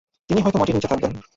তিনি হয়তো মাটির নিচে থাকবেন।